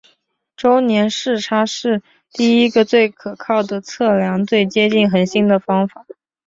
周年视差是第一个最可靠的测量最接近恒星的方法。